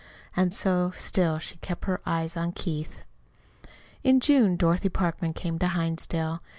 And so still she kept her eyes on Keith. In June Dorothy Parkman came to Hinsdale.